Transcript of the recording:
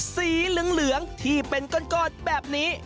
สีเหลืองที่เป็นก้อนแบบนี้